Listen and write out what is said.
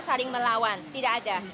saring melawan tidak ada